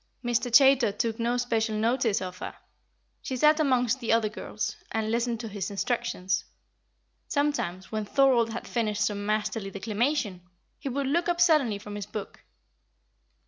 Mr. Chaytor took no special notice of her; she sat amongst the other girls, and listened to his instructions. Sometimes, when Thorold had finished some masterly declamation, he would look up suddenly from his book.